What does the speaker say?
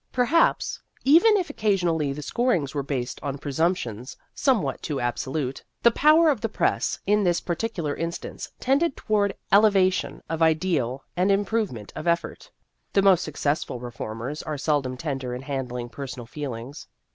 Perhaps, even if occasionally the scorings were based on presumptions somewhat too absolute, the power of the press in this particular instance tended toward elevation of ideal and improve ment of effort. The most successful re formers are seldom tender in handling personal feelings.